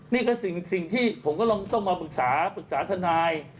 นี่ก็สิ่งที่ผมกำลังต้องมาปรึกษาปรึกษาทนาย